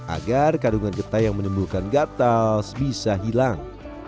agar kandungan getah yang menimbulkan gatal bisa hilang